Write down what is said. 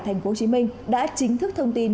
tp hcm đã chính thức thông tin